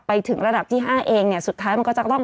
ไปถึงระดับที่๕เองเนี่ยสุดท้ายมันก็จะต้อง